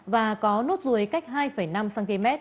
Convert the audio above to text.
và có nốt ruồi cách hai năm cm